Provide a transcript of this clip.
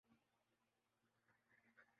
دوسروں کو قائل کر لیتا ہوں